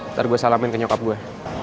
ntar gue salamin ke nyokap gue